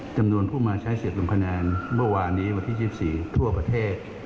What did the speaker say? จำนวนผู้มาใช้สิทธิ์ลงคะแนนเมื่อวานนี้วันที่๒๔ทั่วประเทศ